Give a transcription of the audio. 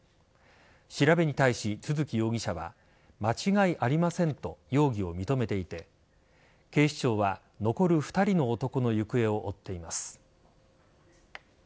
調べに対し都築容疑者は間違いありませんと容疑を認めていて警視庁は、残る２人の男の行方を追っています。